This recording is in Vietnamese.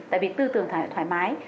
tại vì tư tưởng thoải mái